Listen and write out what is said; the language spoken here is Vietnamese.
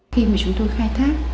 khi mà chúng tôi khai thác